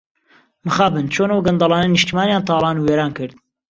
مخابن چۆن ئەو گەندەڵانە نیشتمانیان تاڵان و وێران کرد.